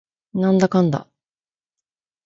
なんだかんだ